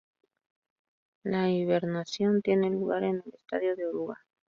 La hibernación tiene lugar en el estadio de oruga.